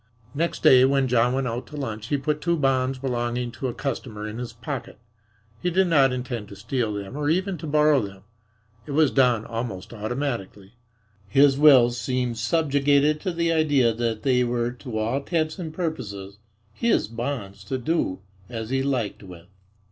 Next day when John went out to lunch he put two bonds belonging to a customer in his pocket. He did not intend to steal them or even to borrow them. It was done almost automatically. His will seemed subjugated to the idea that they were to all intents and purposes his bonds to do as he liked with.